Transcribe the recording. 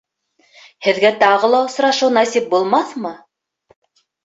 Һеҙгә тағы ла осрашыу насип булмаҫмы?